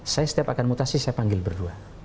saya setiap akan mutasi saya panggil berdua